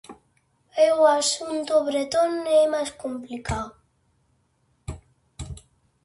E o asunto bretón é máis complicado.